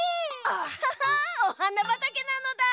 アハハッおはなばたけなのだ！